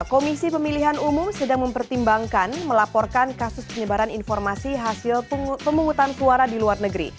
komisi pemilihan umum sedang mempertimbangkan melaporkan kasus penyebaran informasi hasil pemungutan suara di luar negeri